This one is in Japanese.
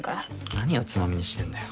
何をつまみにしてんだよ。